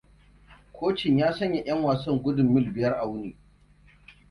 Kocin ya sanya ƴan wasan gudun mil biyar a wuni.